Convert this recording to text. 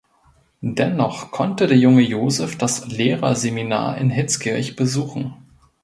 Dennoch konnte der junge Josef das Lehrerseminar in Hitzkirch besuchen.